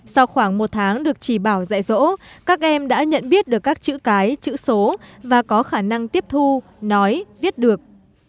sau khoảng một tháng được chỉ bảo dạy rỗ các em đã nhận biết được các chữ cái chữ số và có khả năng tiếp thu nói viết được